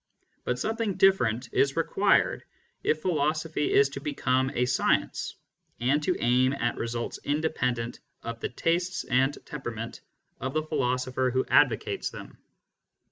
. But something different is required if philo sophy is to become a science, and to aim at results inde pendent of the tastes and temperament of the philosopher who advocates them.